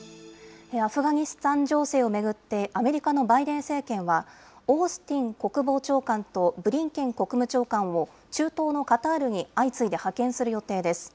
アフガニスタン情勢を巡って、アメリカのバイデン政権は、オースティン国防長官と、ブリンケン国務長官を中東のカタールに相次いで派遣する予定です。